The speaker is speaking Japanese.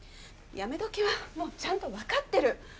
やめ時はもうちゃんと分かってる。